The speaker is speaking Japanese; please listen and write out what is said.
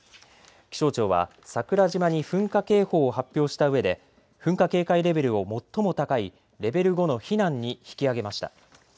気象庁は桜島に噴火警報を発表したうえで噴火警戒レベルを最も高いレベル５の避難に引き上げました。